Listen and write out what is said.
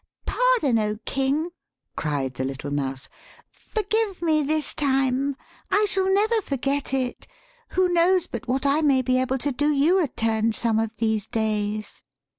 " Pardon, O King," cried the little mouse; "forgive me this time. I shall never forget it: who knows but what I may be able to do you a turn some of these days?"